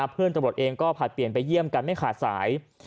เพื่อนตำรวจเองก็ผลัดเปลี่ยนไปเยี่ยมกันไม่ขาดสาย